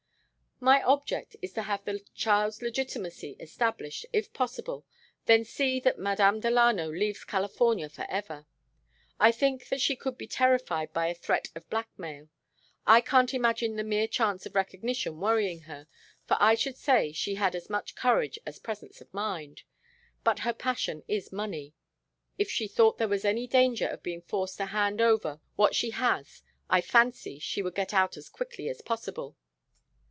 "My object is to have the child's legitimacy established, if possible, then see that Madame Delano leaves California forever. I think that she could be terrified by a threat of blackmail. I can't imagine the mere chance of recognition worrying her, for I should say she had as much courage as presence of mind. But her passion is money. If she thought there was any danger of being forced to hand over what she has I fancy she would get out as quickly as possible.